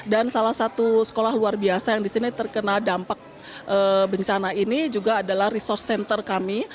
dan salah satu sekolah luar biasa yang disini terkena dampak bencana ini juga adalah resource center kami